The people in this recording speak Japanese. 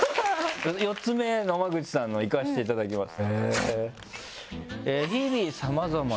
４つ目野間口さんのいかせていただきます。